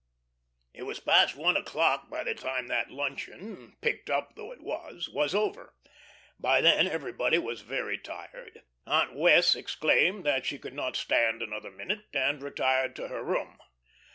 It was past one o'clock by the time that luncheon, "picked up" though it was, was over. By then everybody was very tired. Aunt Wess' exclaimed that she could not stand another minute, and retired to her room.